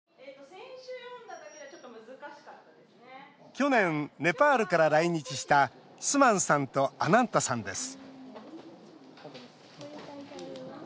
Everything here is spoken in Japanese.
去年、ネパールから来日したスマンさんとアナンタさんです